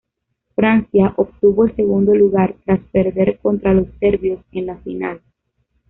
Francia obtuvo el segundo lugar tras perder contra los serbios en la final.